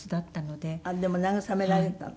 でも慰められたの？